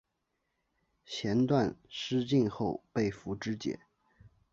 弦断矢尽后被俘支解。